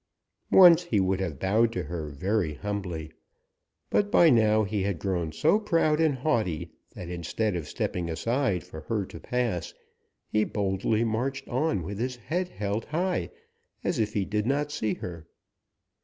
Once he would have bowed to her very humbly, but by now he had grown so proud and haughty that instead of stepping aside for her to pass, he boldly marched on with his head held high as if he did not see her.